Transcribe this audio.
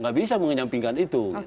tidak bisa menyampingkan itu